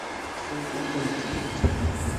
Ṭṭfent-ak-tent-id.